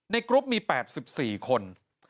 กรุ๊ปมี๘๔คน